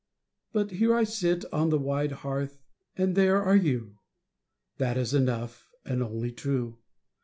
But here I sit On the wide hearth, and there are you: That is enough and only true.